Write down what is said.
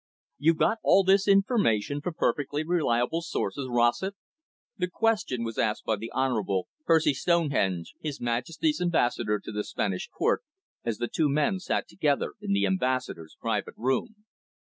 "You got all this information from perfectly reliable sources, Rossett?" The question was asked by the Honourable Percy Stonehenge, His Majesty's Ambassador to the Spanish Court, as the two men sat together in the Ambassador's private room.